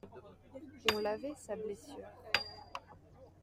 On lavait sa blessure.